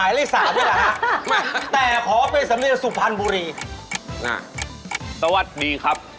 ยังไม่มีค่ะ